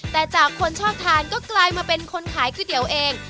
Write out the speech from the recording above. แต่จากคนชอบทานก็กลายมาเป็นคนขายก๋วยเตี๋ยวเอง